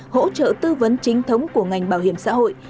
hỗ trợ tư vấn chính thống của ngành bảo hiểm xã hội